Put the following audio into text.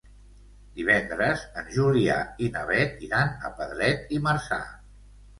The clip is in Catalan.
Divendres en Julià i na Beth iran a Pedret i Marzà.